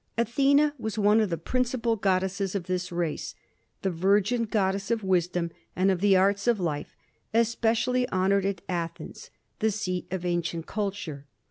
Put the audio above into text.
Athena was one of the principal goddesses of this race, the virgin goddess of wisdom and of the arts of life, especially honored at Athens, the seat of ancient culture.